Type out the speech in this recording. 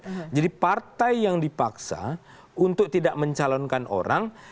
nah jadi partai yang dipaksa untuk tidak mencalonkan orang